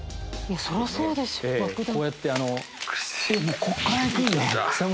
そりゃそうでしょう爆弾。